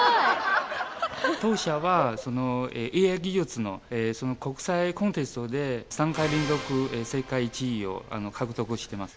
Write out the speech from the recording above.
当社はＡＩ技術の国際コンテストで３回連続世界１位を獲得してます